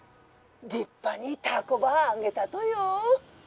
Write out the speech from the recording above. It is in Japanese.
☎立派に凧ばあげたとよ。